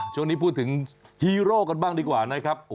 ช่วงนี้พูดถึงฮีโร่กันบ้างดีกว่านะครับ